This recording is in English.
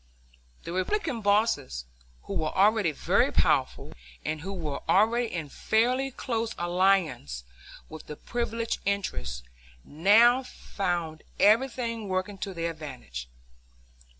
The Republican bosses, who were already very powerful, and who were already in fairly close alliance with the privileged interests, now found everything working to their advantage.